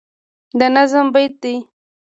د نظم بیت دی